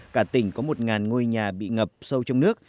cả tỉnh có một ngôi nhà bị ngập sâu trong nước